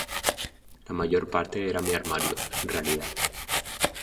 La mayor parte era mi armario, en realidad.